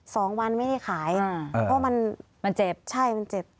สองวันไม่ได้ขายอ่าเพราะมันมันเจ็บใช่มันเจ็บ